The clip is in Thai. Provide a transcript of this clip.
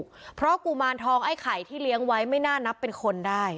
เพราะกุมารทองไอ้ไข่ที่เลี้ยงไว้ไม่น่านับเป็นคนได้